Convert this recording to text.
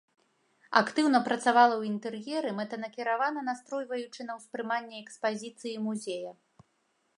Актыўна працавала ў інтэр'еры, мэтанакіравана настройваючы на ўспрыманне экспазіцыі музея.